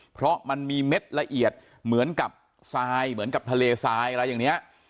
เพราะมันมีเม็ดละเอียดเหมือนกับทะเลทรายอะไรอย่างนี้